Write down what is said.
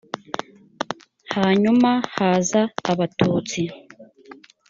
hanyuma haza abatutsi